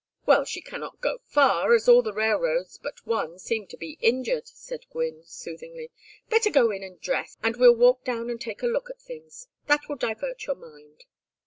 "Well, she cannot go far, as all the railroads but one seem to be injured," said Gwynne, soothingly. "Better go in and dress and we'll walk down and take a look at things. That will divert your mind."